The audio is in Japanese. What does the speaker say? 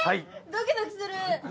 ドキドキする！